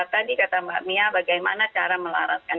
tadi kata mbak mia bagaimana cara melaraskan